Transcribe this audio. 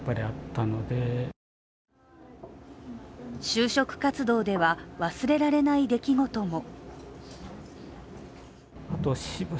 就職活動では忘れられない出来事も。